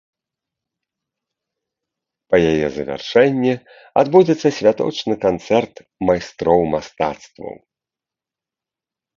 Па яе завяршэнні адбудзецца святочны канцэрт майстроў мастацтваў.